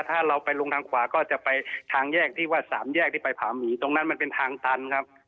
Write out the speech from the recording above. ถ้าเราไปลงทางขวาก็จะไปทางแยกที่ว่าสามแยกที่ไปผาหมีตรงนั้นมันเป็นทางตันครับ